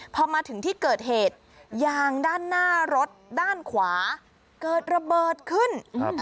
พอมาถึงที่เกิดเหตุยางด้านหน้ารถด้านขวาเกิดระเบิดขึ้น